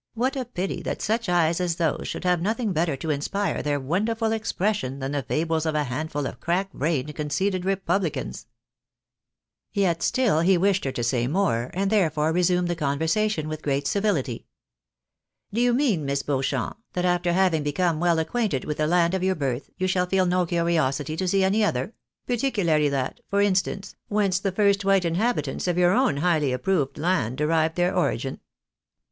" What a pity that such eyes as those should have nothing better to inspire their wonderful expression than the fables of a handful of crackbrained, conceited republicans !" Yet still he wished her to say more, and therefore resumed the conversation with great civility. " Do you mean. Miss Beauchamp, that after having become well acquainted with the land of your birth, you shall feel no curiosity to see any other ?— particularly that, for instance, whence the first white inhabitants of your own highly approved land de rived their origin